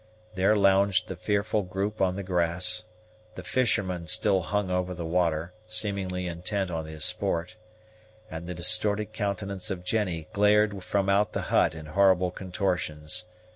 There lounged the fearful group on the grass; the fisherman still hung over the water, seemingly intent on his sport; and the distorted countenance of Jennie glared from out the hut in horrible contortions.